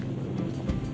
sbi jawa timur